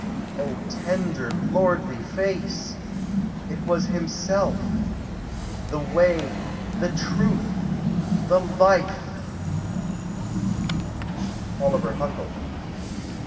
O tender lordly Face! It was Himself, the Way, the Truth, the Life! OLIVER HUCKEL.